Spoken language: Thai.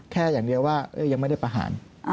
แค่อย่างเดียวว่ายังไม่ได้ประหาร